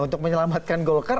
untuk menyelamatkan golkar